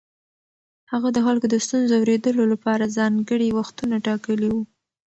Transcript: هغه د خلکو د ستونزو اورېدو لپاره ځانګړي وختونه ټاکلي وو.